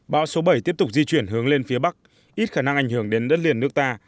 bão số bảy tiếp tục di chuyển hướng lên phía bắc ít khả năng ảnh hưởng đến đất liền nước ta